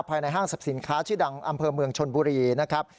ภายในห้างศัพท์สินค้าชื่อดังอำเภอเมืองชนบูรีนะครับ